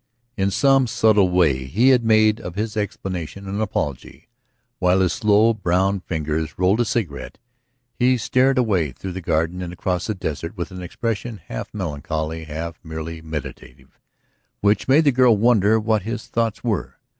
In some subtle way he had made of his explanation an apology. While his slow brown fingers rolled a cigarette he stared away through the garden and across the desert with an expression half melancholy, half merely meditative, which made the girl wonder what his thoughts were.